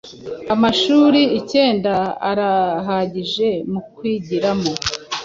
amashuri ikenda arahagije mukwigiramo